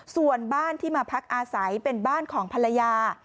ส่วนบ้านที่มาพักอาศัยเป็นบ้านของภรรยา